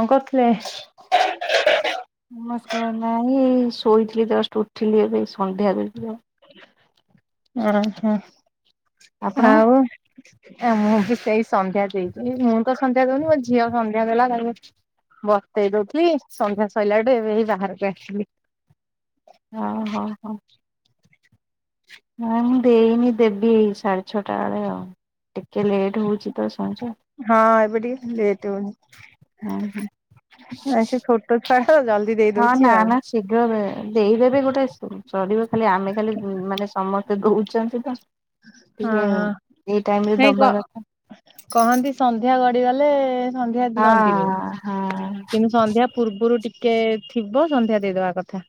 କଣ କରୁଥିଲେ? ନମସ୍କାର, ନାଇଁ, ଏଇ ଶୋଇଥିଲି, ଜଷ୍ଟ ଉଠିଲି। ଏବେ ସନ୍ଧ୍ୟାଦେବି ଆଉ। ଅ, ହଁ, ଆପଣ? ଆଉ। ଆ, ମୁଁ ବି ସେଇ ସନ୍ଧ୍ୟା ଦେଇଛି। ମୁଁ ତ ସନ୍ଧ୍ୟା ଦଉନି, ମୋ ଝିଅ ସନ୍ଧ୍ୟା ଦେଲା, କହିଲା ବତେଇ ଦଉଥିଲି, ସନ୍ଧ୍ୟା ସଇଲାଟୁ ଏବେ ଏଇ ବାହାରକୁ ଆସିଲି। ଅ, ହଁ, ହଁ। ନାଇ, ମୁଁ ଦେଇନି, ଦେବି ଏ ସାଢ଼େ ଛଅଟା ବେଳେ ଆଉ। ଟିକେ ଲେଟ୍ ହେଉଛି ତ ସଞ୍ଜ। ହଁ, ଏବେ ଟିକେ ଲେଟ୍ ହଉନି। ହୁଁ ହୁଁ ନା, ସେ ଛୋଟ ଛୁଆ ତ, ସେ ଜଲଦି ଦେଇ ହଁ ନା ଦଉଛି ଆଉ। ନା ଶୀଘ୍ର ବେଳେ ଦେଇଦେବେ, ଗୋଟେ ସରିବ ଖାଲି। ଆମେ ଖାଲି, ମାନେ ସମସ୍ତେ ଦଉଛନ୍ତି ତ। ହଁ ଟିକେ ହଁ ଏଇ ଟାଇମ୍ ରେ ନାଇଁ କ ଦବା କଥା। କହନ୍ତି, ସନ୍ଧ୍ୟା ଗଡ଼ିଗଲେ ସନ୍ଧ୍ୟା ଦିଅନ୍ତିନି, ହଁ ହଁ କିନ୍ତୁ ସନ୍ଧ୍ୟା ପୂର୍ବରୁ ଟିକେ ଥିବ, ସନ୍ଧ୍ୟା ଦେଇଦବା କଥା।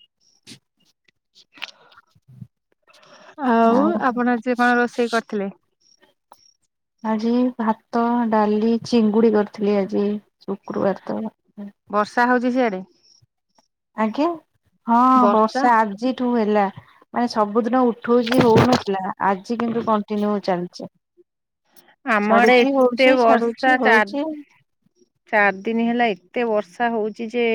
ଆଉ ଆପଣ ଆଜିି କଣ ରୋଷେଇ କରିଥିଲେ? ଆଜି ଭାତ ଡାଲି ଚିଙ୍ଗୁଡି କରିଥିଲି ଆଜି ଶୁକ୍ରବାର ତ। ବର୍ଷା ହଉଛି ସିଆଡେ। ଆଜ୍ଞା ହଁ ବର୍ଷା ଆଜିଠୁ ହେଲାଣି। ମାନେ ସବୁଦିନ ଉଠଉଛି ହଉନଥିଲା ଆଜି କିନ୍ତୁ କଣ୍ଟିନ୍ୟୁ ଚାଲିଛି। ଆମ ଆଡ଼େ ଛାଡୁଛି ଏତେ ହଉଛି ବର୍ଷା ଛାଡୁଛି ହଉଛି ଚାର ଚାରି ଦିନ ହେଲା ଏତେ ବର୍ଷା ହଉଛି ଯେ।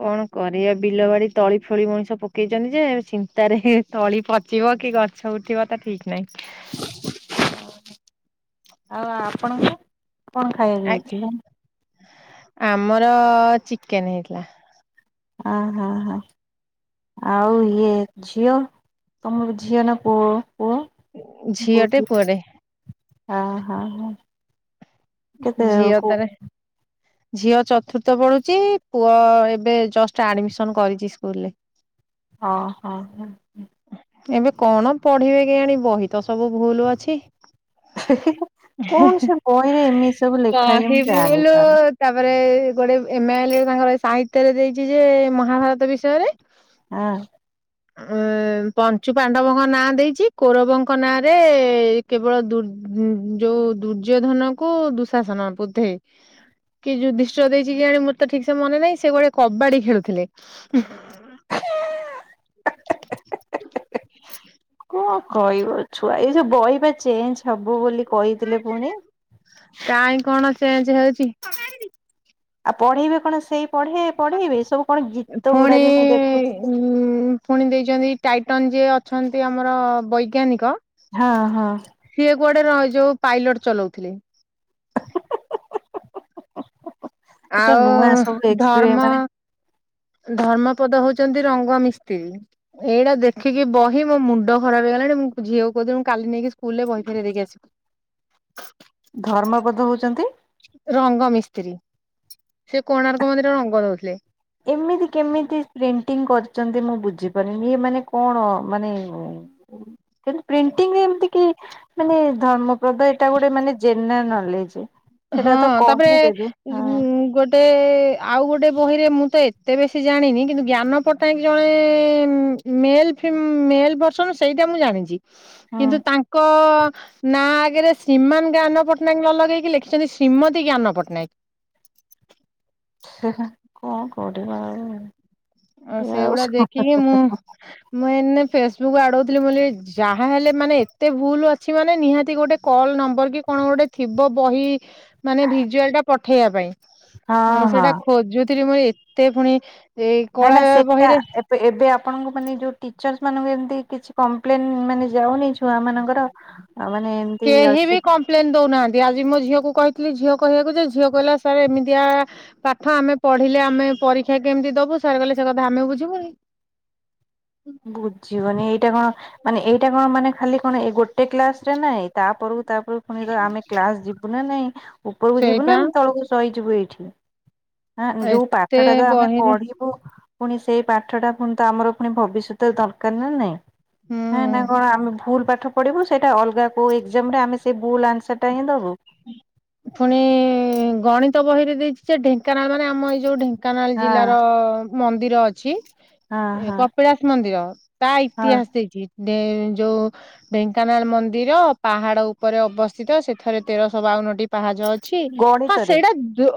କଣ କରିବା ବିଲ ବାଡି ତଳି ଫଳି ମଣିଷ ପକେଇଛନ୍ତି ଯେ ଚିନ୍ତାରେ। ତଳି ପଚିବ କି ଗଛ ଉଠିବ ତା ଠିକ ନାହିଁ। ଆଉ ଆପଣଙ୍କୁ କଣ ଖାଇବାକୁ ଆଜ୍ଞା ହେଇଛି। ଆମର ଚିକେନ ହେଇଥିଲା। ଆହା ହା ଆଉ ଇଏ ଝିଅ। ତମ ଝିଅ ନା ପୁଅ ପୁଅ କ ଝିଅଟେ କହୁଥିଲ। ପୁଅଟେ ଅହା ହା ହା। ଝିଅ ତାରେ। ଝିଅ ଚତୁର୍ଥ ପଢୁଛି ପୁଅ ଏବେ ଜଷ୍ଟ ଆଡମିସନ କରିଛି ସ୍କୁଲରେ। ହଁ ହଁ ହ। ଏବେ କଣ ପଢିବେ କେ ଆଣି ବହିତ ସବୁ ଭୁଲ ଅଛି। କଣ ସେ ବହିରେ ଏମିତି ସବୁ ଲେଖା ହେଇ ବହି ମୁଁ ଭୁଲ ଜାଣିପାରୁନି। ତାପରେ ଗୋଟେ ଏମ୍‌ ଆଇ ଏଲ ତାଙ୍କର ସାହିତ୍ୟ ରେ ଦେଇଛି ଯେ ମହାଭାରତ ବିଷୟରେ। ଆ। ଆଁ ପଞ୍ଚୁ ପାଣ୍ଡବଙ୍କ ନାଁ ଦେଇଛି କୋରବଙ୍କ ନାଁ ରେ - - କେବଳ ଦୁର୍ ଯୋଉ ଦୁର୍ଯ୍ୟୋଧନ କୁ ଦୁଃଶାସନ ବୋଧେଇ। କି ଯୁଦ୍ଧିଷ୍ଟ ଦେଇଛି କି କେଜାଣି ମରତ ଠିକ ସେ ମନେ ନାହିଁ ସେ ଗୋଟେ କବାଡି ଖେଳୁଥିଲେ। କଣ କହିବ ଛୁଆ ଏଇ ଯୋଉ ବହି ବା ଚେଞ୍ଜ ହବ ବୋଲି କହିଥିଲେ ପୁଣି। କହିଁ କଣ ଚେଞ୍ଜ ହଉଛି। ଆଉ ପଢେଇବେ କଣ ସେଇ ପଢେଇ ପଢେଇବେ ସବୁ କଣ ଗୀତ ଗୁଡା ପୁଣି ବି ମୁଁ ଉ ଦେଖୁଥିଲି। ପୁଣି ଦେଇଛନ୍ତି ଟାଇଟନ ଯିଏ ଅଛନ୍ତି ଆମର ବୈଜ୍ଞାନିକ। ହଁ ହଁ। ସିଏ କୁଆଡେ ର ଯୋଉ ପାଇଲଟ ଚଲାଉଥିଲେ। ଏସବୁ ନୂଆ ଆଉ ସବୁ ଏକ୍ସପି ଧର୍ମ ମାନେ ଧର୍ମପଦ ହଉଛନ୍ତି ରଙ୍ଗ ମିସ୍ତ୍ରୀ। ଏଇଟା ଦେଖିକି ବହି ମୋ ମୁଣ୍ଡ ଖରାପ ହେଇଗଲାଣି ମୁଁ ଝିଅ କହୁଥିଲି ମୁ କାଲି ନେଇକି ସ୍କୁଲ ରେ ବହି ଫେରେଇ ଦେଇକି ଆସିବି। ହ ଧର୍ମପଧ ହଉଛନ୍ତି? ରଙ୍ଗ ମିସ୍ତ୍ରୀ ସେ କୋଣାର୍କ ମନ୍ଦିର ରଙ୍ଗ ଦଉଥିଲେ। ଏମିତି କେମିତି? ପ୍ରେଣ୍ଟିଂ କରିଛନ୍ତି ମୁଁ ବୁଝିପାରୁିନି ଇ ମାନେ କଣ ମାନେ। ସେ ପ୍ରିଣ୍ଟିଙ୍ଗରେ ଏମିତି କି ମାନେ ଧର୍ମପ୍ରଦ ଏଇଟା ଗୋଟେ ମାନେ ଜେନେରାଲ ନଲେଜ ହଁ ସେଟା ତ ତାପରେ କହିଦେବେ ହଁ ଗୋ- - ଗୋଟେ ଆଉ ଗୋଟେ ବହିରେ ମୁଁ ତ ଏତେ ବେଶୀ ଜାଣିନି କିନ୍ତୁ ଜ୍ଞାନ ପଟ୍ଟନାୟକ ଜଣେ। ମେଲ ମେଲ ବର୍ସନ ସେଇଟା ମୁଁ ଜାଣିଛି। ହଁ କିନ୍ତୁ ତାଙ୍କ ନାଁ ଆଗରେ ଶ୍ରୀମାନ ଜ୍ଞାନ ପଟ୍ଟନାୟକ ନ ଲଗେଇକି ଲେଖି ଛନ୍ତି ଶ୍ରୀମତୀ ଜ୍ଞାନ ପଟ୍ଟନାୟକ। ହେଁ ହେଁ କଣ କଉଠିବା? ଆ ସେଗୁଡା ଦେଖିକି ମୁଁ ମୁଁ ଏନେ ଫେସବୁକ୍ ଆଡଉଥିଲି ବୋଲି ଯାହାହେଲେ ମାନେ ଏତେ ଭୁଲ ଅଛି ମାନେ ନିହାତି ଗୋଟେ କଲ ନମ୍ବର କି କଣ ଗୋଟେ ଥିବ ବହି ମାନେ ଭିଜୁଆଲ ଟା ପଠେଇବା ପାଇଁ ମୁଁ ହଁ ହଁ। ସେଇଟା ଖୋଜୁଥିଲି। ମୁଁ ଏ ଏତେ ଫୁଣି ଏଇ ନା କଳା ନା ସେଟା ବହିରେ ଏବେ ଆପଣଙ୍କୁ ମାନେ ଯୋଉ ଟିଚର୍ସ ମାନଙ୍କୁ ଏମିତି କିଛି କମ୍ପ୍ଲେନ ମାନେ ଯାଉନି ଛୁଆ ମାନଙ୍କର ଆଉ ମାନେ ଏମିତି ଅଛି ପ୍ଲେନ ଦଉନାହାନ୍ତି। ଆଜି ମୋ ଝିଅକୁ କହିଥିଲି। ଝିଅ କହିବାକୁ ଯେ ଝିଅ କହିଲା। ସାର୍ ଏମିତିଆ ଆ ପାଠ ଆମେ ପଢିଲେ ଆମେ ପରୀକ୍ଷା କେମିତି ଦବୁ। ସାର କହିଲେ ସେ କଥା ଆମେ ବୁଝିବୁନି। ବୁଝିବନି ଏଇଟା କଣ ମାନେ ଏଇଟା କଣ ମାନେ ଖାଲି କଣ ଏଇ ଗୋଟେ ଗୋଟେ କ୍ଲାସରେ ନାହିଁ। ତାପରକୁ ତାପରକୁ ପୁଣି ତ ଆମେ କ୍ଲାସ୍ ଯିବୁ ନା ନାହିଁ? ଉପରକୁ ଯିବୁ ନା ସେଇପା ଆମେ ତଳକୁ ସହିଯିବୁ ଏଇଠି। ଆଁ ଯୋଉ ଏତେ ପାଠ ଟା ତ ଆମେ ବହିରେ ପଢି ବୁ ପୁଣି ସେଇ ପାଠ ଟା ପୁଣି ତ ଆମର ପୁଣି ଭବିଷ୍ୟତ ଦରକାର ନା ନାଇଁ। ହେଁ ହୁଁ। ନା କଣ ଆମେ ଭୁଲ ପାଠ ପଡ଼ିବୁ। ସେଇଟା ଅଲଗା କୋଉ ଏଗଜାମରେ ଆମେ ସେଇ ଭୁଲ୍ ଆନ୍ସରଟା ହିଁ ଦେବୁ। ଫୁଣି ଗଣିତ ବହିରେ ଦେଇଛି ଯେ ଢେଙ୍କାନାଳ ମାନେ ଆମ ଏଇ ଯୋଉ ଢେଙ୍କା ଢେଙ୍କାନାଳ ହଁ ଜିଲ୍ଲାର ର ମନ୍ଦିର ଅଛି। ହଁ ହଁ କପିଳାସ ମନ୍ଦିର। ତା ହଁ ଇତିହାସ ଦେଇଛି ଯେ ଯୋଉ ଢେଙ୍କାନାଳ ମନ୍ଦିର ପାହାଡ ଉପରେ ଅବସ୍ଥିତ। ସେଥିରେ ତେରଶହ ବାଉନଟି ପାହାଚ ଅଛି। ହଁ ଗଣିତରେ ସେଇଟା ଦୋ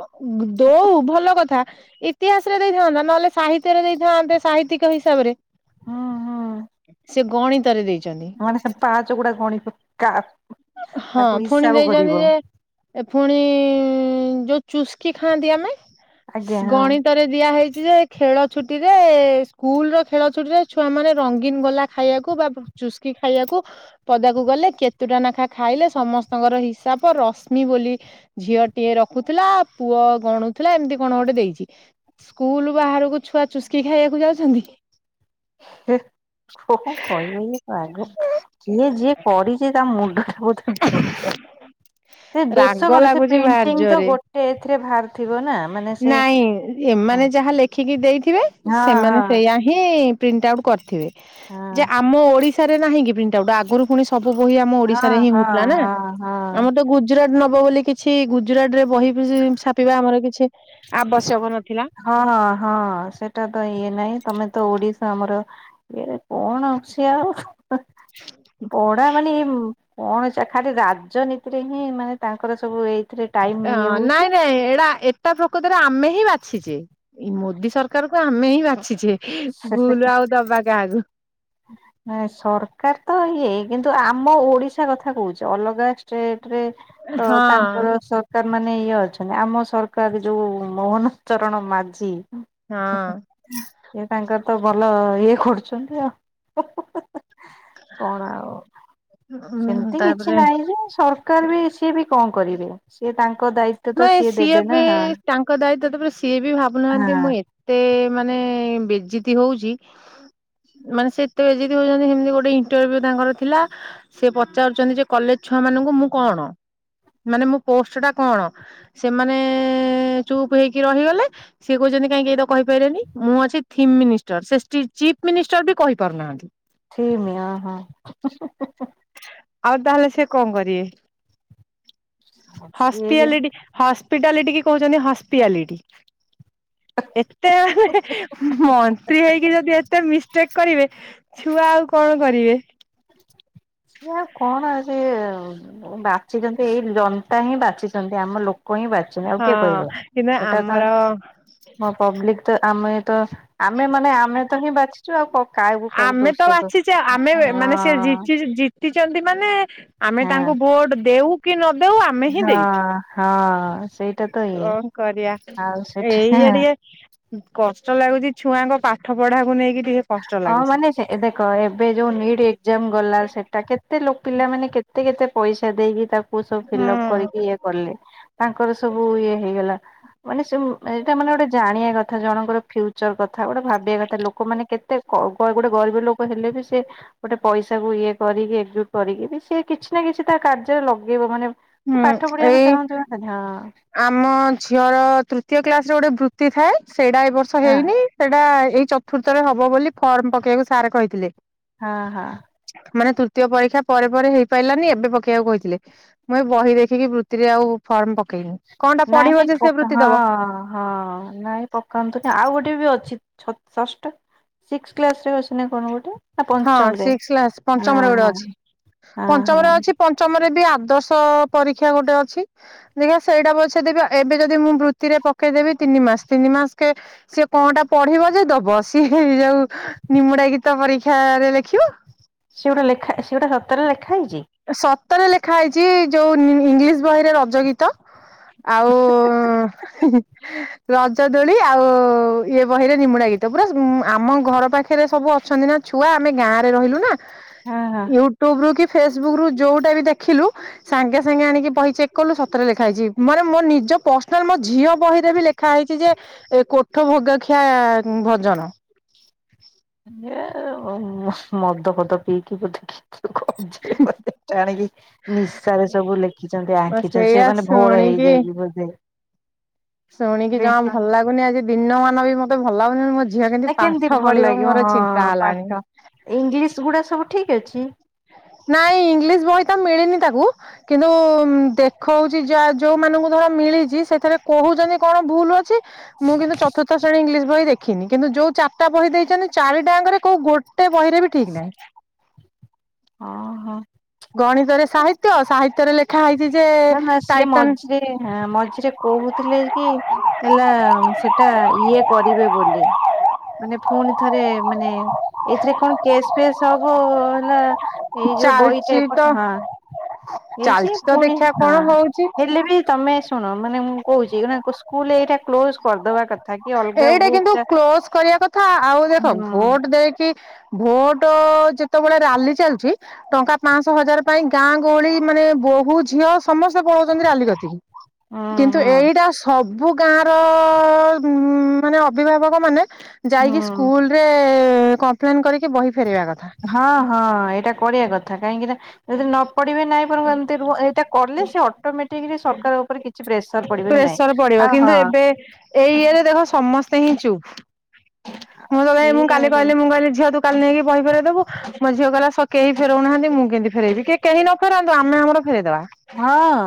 ଦୋଉ ଭଲ କଥା। ଇତିହାସ ରେ ଦେଇଥାନ୍ତା। ନହେଲେ ସାହିତ୍ୟରେ ଦେଇଥାନ୍ତେ ସାହିତ୍ୟିକ ହିସାବରେ। ହୁଁ ହୁଁ ସେ ଗଣିତରେ ଦେଇଛି। ମାନେ ସେ ପାହାଚଗୁଡା ଗଣିତ କା ହଁ ତାକୁ ଫୁଣି ହିସାବ ଦେଇଛନ୍ତି କରିବ ଯେ ଏ ପୁଣି ଯୋଉ ଚୁସ୍କି ଖାଆନ୍ତି ଆମେ ଆଜ୍ଞା ହଁ। ଗଣିତରେ ଦିଆ ହେଇଛି ଯେ ଖେଳ ଛୁଟି ରେ ସ୍କୁଲ ର ଖେଳ ଛୁଟି ରେ ଛୁଆ ମାନେ ରଙ୍ଗୀନ ଗୋଲା ଖାଇବାକୁ ବା ଚୁସ୍କି ଖାଇବାକୁ ପଦାକୁ ଗଲେ କେତୁ ଟା ନା ଖା ଖାଇଲେ ସମସ୍ତଙ୍କର ହିସାବ ରଶ୍ମି ବୋଲି ଝିଅ ଟିଏ ରଖୁଥିଲା। ପୁଅ ଗଣୁଥିଲା। ଏମିତି କଣ ଗୋଟେ ଦେଇଛି। ସ୍କୁଲ ବାହାରକୁ ଛୁଆ ଚୁସ୍କି ଖାଇବାକୁ ଯାଉଛନ୍ତି କି? ହେ କଣ କହିବ ଇଏ ପାଗେଳି। କିଏ ଯିଏ କରିଚି ତା ମୁଣ୍ଡଟା ବୋଧେ ଦୋଷ। ସେ ଦୋଷ ରାଗ କଣ ସେ ଲାଗୁଛି ଭାରି ପ୍ରିଣ୍ଟିଂ ତ ଜୋରେ ଗୋଟେ ଟେ ଏଥିରେ ଭାରତ ନାଇଁ ହଁ ଏମାନେ ଯାହା ଲେଖିକି ଦେଇଥିବେ। ହଁ ସେମାନେ ହଁ ସେଇଆ ହିଁ ପ୍ରିଣ୍ଟ ଆଉଟ କରିଥିବେ। ଯେ ଆମ ଓଡିଶାରେ ନାହିଁ କି ପ୍ରିଣ୍ଟ ଆଉଟ ଆଗରୁୁ ଫୁଣି ସବୁ ବହି ଆମ ହଁ ଓଡିଶାରେ ହିଁ ହଁ ହଉଥିଲା ନା। ହଁ ହଁ। ଆମର ତ ଗୁଜ ଗୁଜୁରାଟ ନବ ବୋଲି କିଛି ଗୁଜୁରାଟ ରେ ବହି ବି ଛାପିବା ଆମର କିଛି ଆବଶ୍ୟକ ନଥିଲା। ହଁ ହଁ ହଁ ସେଟା ତ ଇଏ ନାହିଁ। ତମେ ତ ଓଡିଶା ଆମର ଇଏ କଣ ଅଛି ଆଉ ପଢା ମାନେ କଣ ସେ ଖାଲି ରାଜନୀତିରେ ହିଁ ମାନେ ତାଙ୍କର ସବୁ ଏଇ ଅ ନାଇଁ ନାଇଁ ଏରା ଏତେ ପ୍ରକୃତରେ ଆମେ ହିଁ ବାଛିଛେ, ମୋଦୀ ସରକାରକୁ ଆମେ ହିଁ ବାଛି ଭୁଲ ଆଉ ଦବା କାହାକୁ। ନ ସରକାର ତ ଇଏ କିନ୍ତୁ ଆମ ଓଡିଶା କଥା କହୁଛି ଅଲଗା ଷ୍ଟେଟ ରେ ତ ହଁ। ତାଙ୍କର ସ ସରକାର ମାନେ ଇଏ ଅଛନ୍ତି। ଆମ ସରକାର ଯୋଉ ମୋହନ ଚରଣ ମାଝୀ ହଁ ଇଏ ତାଙ୍କର ତ ଭଲ ଇଏ କରୁଛନ୍ତି ଆଉ [unintelligible] କଣ ଆଉ ଉଁ ସେମିତି କିଛି ତାପରେ ନାହିଁ ସରକାର ବି ସିଏ ବି କଣ କରିବେ, ସିଏ ତାଙ୍କ ଦାଇ ନାଇଁ ସିଏ ବି ତାଙ୍କ ଦାୟିତ୍ଵ ତ ସିଏ ବି ଭାବୁ ନାହାନ୍ତି ହଁ ମୁଁ ଏତେ ମାନେ ବେଜିତି ହଉଚି ମାନେ ସେତେବେଳେ ଯଦି କଉଛନ୍ତି ସେମିତି ଗୋଟେ ଇଣ୍ଟରଭ୍ୟୁ ତାଙ୍କର ଥିଲା। ସେ ପଚାରୁଛନ୍ତି ଯେ କଲେଜ ଛୁଆ ମାନଙ୍କୁ ମୁଁ କଣ ମାନେ ମୋ ପୋଷ୍ଟ ଟା କଣ? ସେମାନେ ଚୁପ୍ ହେଇକି ରହିଗଲେ ସିଏ କହୁଛନ୍ତି କାହିଁକି ଏଟା କହି ପାଇଲନି, ମୁଁ ଅଛି ଥିପ୍ ମିନିଷ୍ଟର ସେ ଷ୍ଟି ଚିପ୍ ମିନିଷ୍ଟର ବି କହିପାରୁନାହାନ୍ତି। ସେମି ହଁ ହଁ ଆଉ ତାହେଲେ ସେ କଣ କରିବେ? ହଁ ସିଏ ହସ୍ପିଆଲିଟି ହସ୍ପିଟାଲିଟି କି କହୁଛନ୍ତି ହସ୍ପିଆଲିଟି। ଏତେ ମନ୍ତ୍ରୀ ହେଇକି ଯଦି ଏତେ ମି ଚେକ୍ କରିବେ ଛୁଆ ଆଉ କଣ କରିବେ। ସେ କଣ ସେ ବାଛିଛନ୍ତି ଏଇ ଜନତା ହିଁ ବାଛିଛନ୍ତି ଆମ ଲୋକ କହିଁ ବାଚଛ ଆଉ କିଏ ହଁ କହିବ? କିନ୍ତୁ ଏଟା ତା ଆମର ମଁ ପବ୍ଲିକ ତ ଆମେ ତ ଆମେ ମାନେ ଆମେ ତ ହିଁ ବାଛ ଚୁ କାଇଁ ବୁକା ବୁକି ଆମେ ତ ଓଷଦ ବାଛିଛେ ହଁ ଉଛନ୍ତି ମାନେ ଆମେ ତାଙ୍କୁ ହଁ ଭୋଟ ଦେଉ କି ନଦଉ ଆମେ ହିଁ ଦେଇଛୁ। ହଁ ହଁ ସେଇଟା ତ ଇଏ କଣ କରିବା ଆଉ ସେଠି ଏଇଆା ଟିକେ କଷ୍ଟ ଲାଗୁଛି ଛୁଆଙ୍କ ପାଠ ପଢ଼ାକୁ ନେଇକିରି ଅ ମାନେ ସେ ଦେଖ ଏବେ ଯୋଉ ନିଟ୍ ଏକ୍ଜାମ ଗଲା ସେଟା କେତେ ଲ ପିଲାମାନେ କେତେ କେତେ ପଇସା ଦେଇକି ତା ସବୁ ହୁଁ ଫିଲଅପ କରିକି ଇ କଲେ ତାଙ୍କର ସବୁ ଇଏ ହେଇଗଲା। ମାନେ ସେ ଏଇଟା ମାନେ ଗୋଟେ ଜାଣିବା କଥା ଜଣଙ୍କର ଫ୍ୟୁଚର କଥା ଗୋଟେ ଭାବିବା କଥା ଲୋକମାନେ କେ ସେ କ କ ଗରିବ ଲୋକ ହେଲେ ବି ସେ ଗୋଟେ ପଇସାକୁ ଇଏ କରିକି ଏକଜୁଟ କରିକି ବି ସେ କିଛି ନା କିଛି ତା କାର୍ଯ୍ୟରେ ଲଗେଇବ ମାନେ ହୁଁ ପାଠ ପଢିବାକୁ ଏଇ ଚାହୁଁନ୍ତୁ ହଁ ଆମ ଝିଅର ତୃତୀୟ କ୍ଲାସ ରେ ଗୋଟେ ବୃତ୍ତି ଥାଏ, ସେଇଟା ଏ ବର୍ଷ ହଁ ହେଇନି ସେଇଟା ଏଇ ଚତୁର୍ଥରେ ହବ ବୋଲି ଫର୍ମ ପକେଇବାକୁ ସାର୍ କହିଥିଲେ। ହଁ ହଁ। ମାନେ ତୃତୀୟ ପରୀକ୍ଷା ପରେ ପରେ ହେଇପାରିଲାନି ଏବେ ପକେଇବାକୁ କହିଥିଲେ। ମୁଁ ଏ ବହି ଦେଖିକି ବୃତ୍ତିରେ ଆଉ ଫର୍ମ ପକେଇନି କଣ ଟା ନାଇଁ ପଢ଼ିବ ନାଇଁ ଯେ ସେ ପକା ବୃତ୍ତି ହଁ ଦବ। ହଁ ନାଇଁ ପକାନ୍ତୁନି ଆଉ ଗୋଟେ ବି ଅଛି ଛ ଷଷ୍ଠ। ସିକ୍ସ କ୍ଲାସରେ ଅଛି ନା କଣ ଗୋଟେ? ନା ହଁ ପଞ୍ଚମ ରେ ସିକ୍ସ କ୍ଲାସ୍ ହଁ ପଞ୍ଚମରେ ଗୋଟେ ହଁ ଅଛି। ହଁ ହଁ ପଞ୍ଚମରେ ଅଛି। ପ ଅଷ୍ଟମରେ ବି ଆଦର୍ଶ ପରୀକ୍ଷା ଗୋଟେ ଅଛି। ଦେଖା ସେଇଟା ପଛେ ଦେବା, ଏବେ ଯଦି ମୁଁ ବୃତ୍ତିରେ ପକେଇଦେବି ତିନିମାସ ତିନିମାସ କେ ସିଏ କଣ ଟା ପଢିବ ଯେ ଦବ ସିଏ ଯୋଉ ନିମୁଡା ଗୀତ ପରୀକ୍ଷାରେ ଲେଖିବ ସିଏ ଗୋଟେ ଲୋଖା ସେ ଗୋଟେ ସତରେ ଲେଖା ହେଇଛି ସତରେ ଲେଖା ହେଇଛି ଯୋଉ ଇଂଗିଲିଶିଶ ବହିରେ ରଜ ଗୀତ ଆଉ ରଜ ଦୋଳି ଆଉ ଇଏ ବହିରେ ନିମୁଡା ଗୀତ ପୁରା ଉ ଆମ ଘର ପାଖରେ ସବୁ ଅଛନ୍ତି ନା ଛୁଆ ଆମେ ଗାଁରେ ରହିଲୁ ନା ହଁ ହଁ ୟୁଟ୍ୟୁବୁ ରୁ କି ଫେସ୍ ବୁକ୍ ରୁ ଯୋଉଟା ବି ଦେଖିଲୁ ସାଙ୍ଗେ ସାଙ୍ଗେ ଆଣିକି ବହି ଚେକ୍ କଲୁ ସତରେ ଲୋଖା ହେଇଛି ମାନେ ମୋ ନିଜ ପର୍ସନାଲ ମୋ ଝିଅ ବହିରେ ବି ଲେ ଖା ହେଇଛି ଯେ ଏ କୋଠ ଭେଗଖିଆ ଭଜନ ମଦ ଫଦ ପିଇକି ବୋଧେ କି ଖଜୁରୀ ପତ୍ର ଟେ ଆଣକି ନିଶାରେ ସବୁ ଲେଖିଛନ୍ତି ବା ଆଙ୍କିଛନ୍ତି ସେଇଆ ସେମାନେ ଭୋଳ ଶୁଣିକି ହେଇଯାଇଛି ବୋଧେ ଶୁଣିକି ଜମା ଭଲ ଲାଗୁନି ଆଜି ଦିନମାନ ବି ମତେ ଭଲ ଲାଗୁନି ଝିଅ କେମିତି ପାଠ ପଢିବ ମୋର ଚିନ୍ତା ହେଲାଣି ଇଂଗିଲିଶି ଗୁଡ଼ା ସବୁ ଠିକ୍ ଅଛି ନାଇଁ ଇଂଗିଲିଶି ବହି ତ ମିଳିନି ତାକୁ କିନ୍ତୁ ଦେଖହଉଛି ଯୋଉମାନଙ୍କୁ ଧର ମିଳିଛି ସେଥିରେ କହୁଛନ୍ତି କଣ ଭୁଲ୍ ଅଛି ମୁଁ କିନ୍ତୁ ଚତୁର୍ଥ ଶ୍ରେଣୀ ଇଂଗିଲିଶି ବହି ଦେଖିନି କିନ୍ତୁ ଯୋଉ ଚାରିଟା ବହି ଦେଇଛନ୍ତି ଚାରିଟା ଆଙ୍କରେ କୋଉ ଗୋଟେ ବହିରେ ବି ଠିକ୍ ନାହିଁ ହଁ ହଁ ଗଣିତରେ ସାହିତ୍ୟ ସାହିତ୍ୟରେ ଲେଖ ଲୋଖାହେଇଛିି ଯେ ନା ନା ସିଏ ଟାଇଟନ ମଝିରେ ମଝିରେ କହୁଥିଲେ କି ହେଲା ସେଟା ଇଏ କରିବେ ବୋଲି ମାନେ ପୁଣି ଥରେ ମାନେ ଏଇଥିରେ କଣ କେସ୍ ଫେସ୍ ହବ ହେଲା ଏଇ ଯୋଉ ଚାଲିଛି ବହିଟା ଏପ ତ ହଁ ହେଇଛି ଚାଲିଛି ତ ପୁଣି ଦେଖିବା ହଁ କଣ ହଉଛି। ହେଲେ ବି ତମେ ଶୁଣ ମାନେ ମୁଁ କହୁଛି ସ୍କୁଲ୍ ଏଇଟା କ୍ଲୋଜ୍ କରିଦବା କଥା କି ଅଲଗା ଏଇଟା ବୁକ୍ କିନ୍ତୁ ଟା କ୍ଲୋଜ୍ କରିବା କଥା ଆଉ ଦେଖ ହୁଁ ଭୋଟ ଦେଇକି ଭୋଟ ଯେତେବେଳେ ରାଲି ଚାଲିଛି ଟଙ୍କା ପାଞ୍ଚଶହ ହଜାର ପାଇଁ ଗାଁ ଗହଳି ମାନେ ବୋହୂ ଝିଅ ସମସ୍ତେ ପଳଉଛନ୍ତି ରାଲିିକତିକି ହୁଁ କିନ୍ତୁ ହୁଁ ଏଇଟା ସବୁ ଗାଁ ର ମାନେ ଅଭିଭାବକ ମାନେ ଯାଇକି ହୁଁ ସ୍କୁଲ୍ ରେ କମ୍ପ୍ଲେନ୍ କରିକି ବହି ଫେରେଇବା କଥା ହଁ ହଁ ଏଇଟା କରିବା କଥା କାହିଁକି ନା ଯଦି ନ ପଡ଼ିବେ ନାହିଁ ଏମତି ଏଇଟା କଲେ ସେ ଅଟୋମେଟିକି ସରକାର ଉପରେ କିଛି ପ୍ରେସର ପଡିବେ ପ୍ରେସର ପଡିବ କିନ୍ତୁ ଏବେ ଏଇ ଇଏରେ ଦେଖ ସମସ୍ତେ ହିଁ ଚୁପ୍ ମୁଁ ତ ମୁଁ କାଲି ସିଏ କହିଲେ ମୁଁ କହିଲି ଝିଅ ତୁ କାଲି ନେଇକି ବହିିବାର ଦବୁ ମୋ ଝିଅ କହିଲା କେହି ଫେରେଉନାହାନ୍ତି ମୁଁ କେମ ଫେରେଇବି କିଏ କେହି ନ ଫେରାନ୍ତୁ ଆମେ ଆମର ଫେରେଇଦବା ହଁ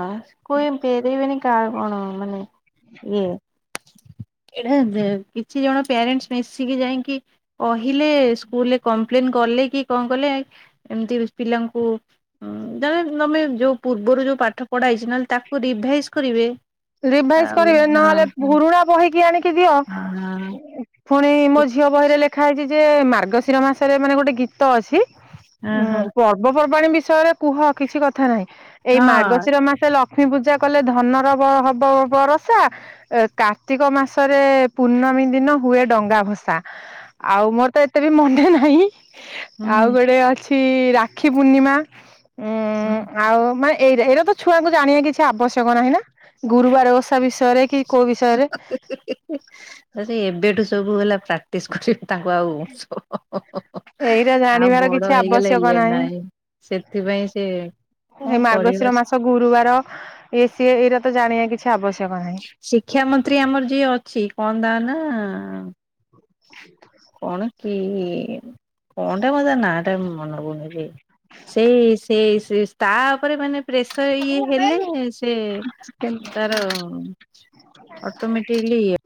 କେ ଫେରେଇବେନି କାହା କଣ ମାନେ ଇଏ ଏଇଟା କିଛି ଜଣ ପ୍ୟାରେସେ ମିଶିକି ଯାଇକି କହିଲେ ସ୍କୁଲୁରେ କମ୍ପ୍ଲେଲେନ୍ କଲେ କି କଣ କଲେ ଏମତି ପିଲାଙ୍କୁ ହୁଁ ଜଦି ତମେ ଯୋଉ ପୂର୍ବରୁ ଯୋଉ ପାଠ ପଢା ହେଇଛି ନହେଲେ ତାକୁ ରିଭାଇଜ୍ କରିବେ ରିଭାଇଜ ଆଉ କରିବେ ନହେଲେ ପୁରୁଣା ବହିକି ଆଣିକି ଦିଅ। ଆଁ- ପୁଣି ମୋ ଝିଅ ବହିରେ ଲେଖା ହେଇଛି ଯେ ମାର୍ଗଶିର ମାସରେ ମାନେ ଗୋଟେ ଗୀତ ଗୀତ ଅଛି। ହଁ ଉଁ ପର୍ବପର୍ବାଣିୀ ବିଷୟରେ କୁହ କିଛି କଥା ନାହିଁ। ଏଇ ହଁ ମାର୍ଗଶିର ମାସ ଲକ୍ଷ୍ମୀ ପୂଜା କଲେ ଧନର ହବ ବରସା ଏ କାର୍ତ୍ତିକ ମାସରେ ପୂର୍ଣ୍ଣମୀ ଦିନ ହୁଏ ଡଙ୍ଗା ଭସା। ଆଉ ମୋର ତ ଏତେ ବି ମନେ ନାହିଁ। ହୁଁ ଆଉ ହୁଁ ଗୋଟେ ଅଛି ରାକ୍ଷୀ ପୂର୍ଣ୍ଣିମା। ଉଁ ହୁଁ ଆଉ ମାନେ ଏଇଟା ଏଇଟା ତ ଛୁଆଙ୍କୁ ଜାଣିବା କିଛି ଆବଶ୍ୟକ ନାହିଁ ନା। ଗୁରୁବାର ଓଷା [unintelligible] ବିଷୟରେ କି କୋଉ ବିଷୟରେ ସେ ଏବେଠୁ ସବୁ ହେଲା ପ୍ରାକ୍ଟିସ କରିବେ। ତାଙ୍କୁ ଆଉ ଏଇଟା ଆଉ ଜାଣିବାର କିଛି ବଡ ହେଇଗଲେ ଆବଶ୍ୟକ ଇଏ ନାହିଁ। ନହିଁ। ସେଥିପାଇଁ ସେ ଏ କଣ ମାର୍ଗଶିର କରିବେ ସେ, ମାସ ଗୁରୁବାର ଇଏ ସିଏ ଏଇରା ତ ଜାଣିବା କିଛି ଆବଶ୍ୟକ ନାହିଁ। ଶିକ୍ଷା ମନ୍ତ୍ରୀ ଆମର ଯିଏ ଅଛି କଣ ତା ନା [unintelligible] କଣ କି କଣଟା ମୋ ତା ନାଁ ଟା ମନ ପଡୁନି ଯେ, ସେଇ ସେଇ ସେ ତା ଉପରେ ମାନେ ପ୍ରେସର ଇଏ ହେଲେ ସେ ତାର ଅଟୋମେଟିକଲି ଇଏ